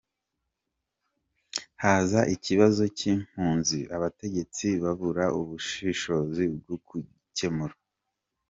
Haza ikibazo cy’impunzi, abategetsi babura ubushishozi bwo kugikemura.